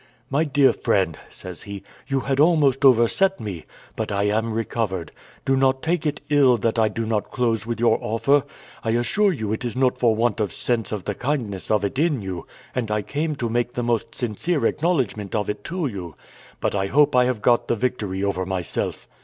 "My dear friend," says he, "you had almost overset me, but I am recovered. Do not take it ill that I do not close with your offer. I assure you it is not for want of sense of the kindness of it in you; and I came to make the most sincere acknowledgment of it to you; but I hope I have got the victory over myself."